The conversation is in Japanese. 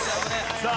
さあ